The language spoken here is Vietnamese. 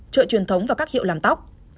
chợ truyền thống và các hiệu làm tóc